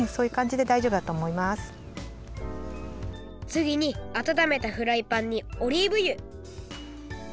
つぎにあたためたフライパンにオリーブゆ。